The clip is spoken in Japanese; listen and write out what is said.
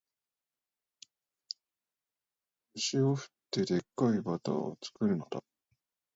牛を振って、デッカいバターを作るのだ